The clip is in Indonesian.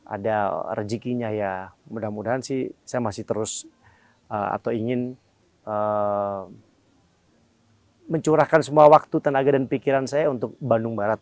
ada rezekinya ya mudah mudahan sih saya masih terus atau ingin mencurahkan semua waktu tenaga dan pikiran saya untuk bandung barat